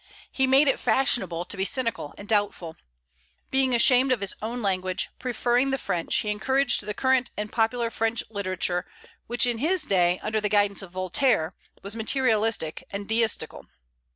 He made it fashionable to be cynical and doubtful. Being ashamed of his own language, and preferring the French, he encouraged the current and popular French literature, which in his day, under the guidance of Voltaire, was materialistic and deistical.